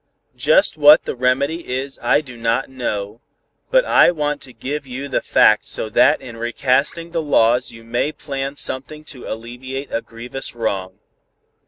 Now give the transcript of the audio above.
Just what the remedy is I do not know, but I want to give you the facts so that in recasting the laws you may plan something to alleviate a grievous wrong."